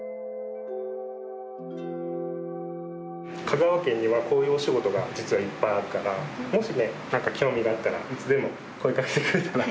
香川県にはこういうお仕事が実はいっぱいあるからもしねなんか興味があったらいつでも声かけてくれたらいいからね。